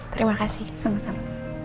terima kasih sama sama